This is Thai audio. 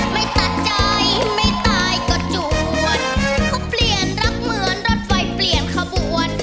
ไม่ตัดใจไม่ตายก็จวนเขาเปลี่ยนรักเหมือนรถไฟเปลี่ยนขบวน